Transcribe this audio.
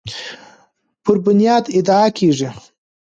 پر بنیاد ادعا کیږي